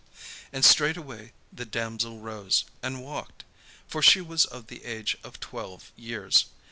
And straightway the damsel arose, and walked; for she was of the age of twelve years.